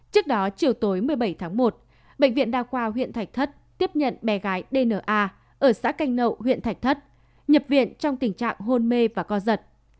trước đó chiều tối một mươi bảy tháng một bệnh viện đa khoa huyện thạch thất tiếp nhận bé gái dna ở xã canh nậu huyện thạch thất nhập viện trong tình trạng hôn mê và co giật